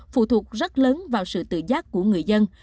phụ thuộc rất lớn vào sự tự giác của người dân